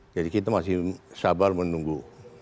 jadi kita masih sabar menunggu